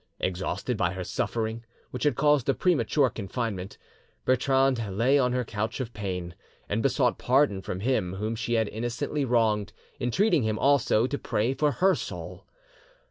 Exhausted by her suffering, which had caused a premature confinement, Bertrande lay on her couch of pain, and besought pardon from him whom she had innocently wronged, entreating him also to pray for her soul.